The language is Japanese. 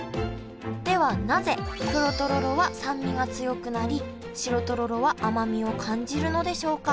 ではなぜ黒とろろは酸味が強くなり白とろろは甘みを感じるのでしょうか？